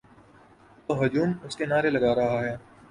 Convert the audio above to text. تو ہجوم اس کے نعرے لگا رہا ہے۔